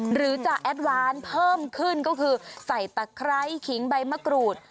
หรือจะแอดวานเพิ่มขึ้นก็คือใส่ตะไคร้ขิงใบมะกรูด